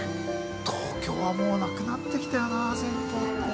東京はもうなくなってきたよな銭湯。